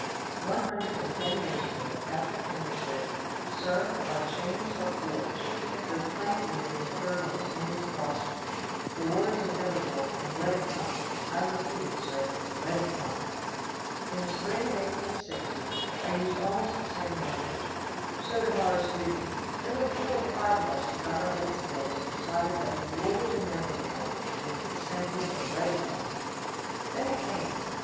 One hundred and ten years ago, Patrick Henry said: "Sir, our chains are forged. Their clanking may be heard on the plains of Boston. The war is inevitable, and let it come. I repeat it, sir, let it come!" In the spring of 1860, I used almost the same language. So did Horace Greeley. There were four or five of us who got our heads together and decided that the war was inevitable, and consented to let it come. Then it came.